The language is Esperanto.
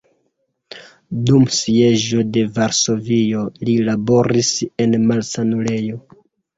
Dum sieĝo de Varsovio li laboris en malsanulejo.